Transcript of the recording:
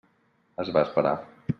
Es va esperar.